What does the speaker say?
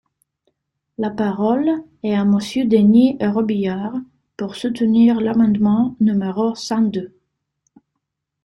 La parole est à Monsieur Denys Robiliard, pour soutenir l’amendement numéro cent deux.